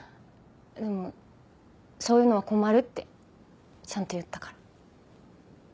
でもそういうのは困るってちゃんと言ったから。